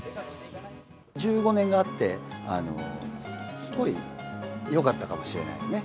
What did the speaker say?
１５年があって、すごいよかったかもしれないね。